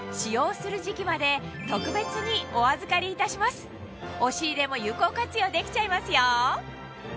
ここで本日の押し入れも有効活用できちゃいますよ